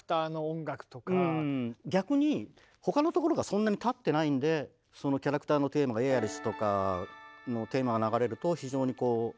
逆に他のところがそんなにたってないんでそのキャラクターのテーマがエアリスとかのテーマが流れると非常にこう。